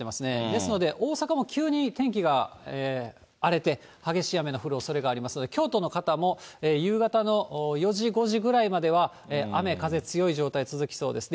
ですので、大阪も急に天気が荒れて、激しい雨の降るおそれがありますので、京都の方も、夕方の４時、５時ぐらいまでは、雨、風強い状態、続きそうです。